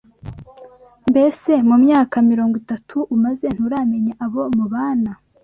Mbese mu myaka mirongo itatu umaze nturamenya abo mubana